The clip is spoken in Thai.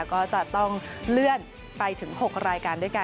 ก็จะต้องเลื่อนไปถึง๖รายการด้วยกัน